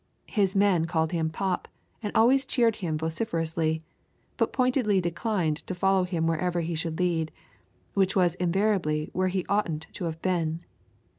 His men called him Pop, and always cheered him vociferously, but pointedly declined to follow him wherever he should lead, which was invariably where he oughtn't to have been.